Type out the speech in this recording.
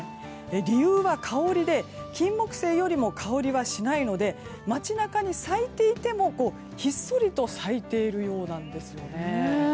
理由は香りでキンモクセイよりも香りはしないので、街中に咲いていても、ひっそりと咲いているようなんですよね。